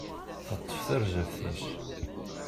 Teṭṭef tarzeft-is.